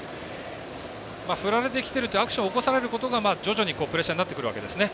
振られてきているとアクションを起こすことが徐々にプレッシャーになってくるわけですね。